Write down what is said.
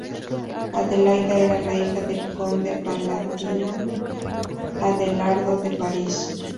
Adelaida era la hija del conde palatino Adelardo de París.